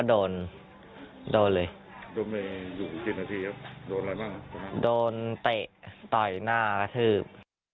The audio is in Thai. โดนเตะต่อยหน้ากระทืบ